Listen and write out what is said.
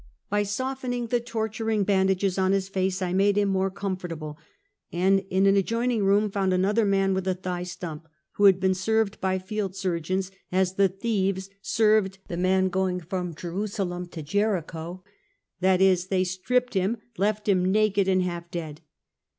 By softening the torturing bandages on his face, I made him more comfortable; and in an adjoining room found another man with a thigh stump, who had been served by field surgeons, as the thieves served the man going from Jerusalem to Jericho: i. e.^ " stripped him, left him naked and half dead."